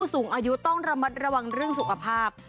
สูงอายุต้องระมัดระวังเรื่องสุขภาพ